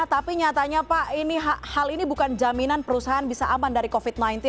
tapi nyatanya pak hal ini bukan jaminan perusahaan bisa aman dari covid sembilan belas